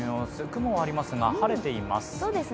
雲はありますが晴れています。